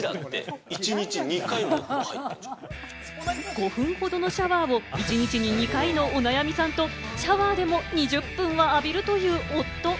５分ほどのシャワーを１日に２回のお悩みさんと、シャワーでも２０分は浴びるという夫。